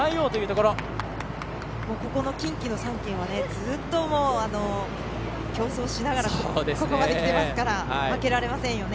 ここの近畿の３校はずっと、競争しながらここまできてますから負けられませんね。